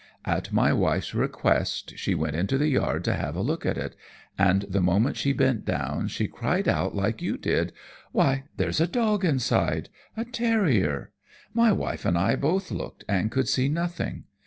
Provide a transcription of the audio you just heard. At my wife's request she went into the yard to have a look at it, and the moment she bent down, she cried out like you did, 'Why, there's a dog inside a terrier!' My wife and I both looked and could see nothing.